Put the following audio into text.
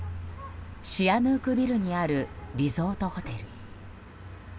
シアヌークビルにあるリゾートホテル。